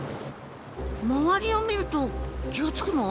周りを見ると気が付くの？